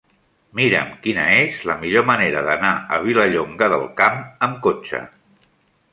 Mira'm quina és la millor manera d'anar a Vilallonga del Camp amb cotxe.